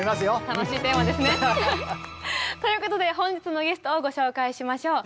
楽しいテーマですね。ということで本日のゲストをご紹介しましょう。